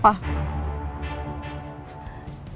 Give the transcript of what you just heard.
jelasin sama aku